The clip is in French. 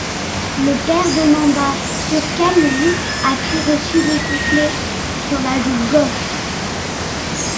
Le père demanda :, Sur quelle joue as-tu reçu le soufflet ? Sur la joue gauche.